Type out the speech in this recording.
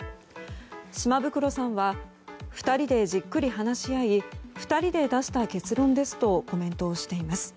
島袋さんは２人でじっくり話し合い２人で出した結論ですとコメントをしています。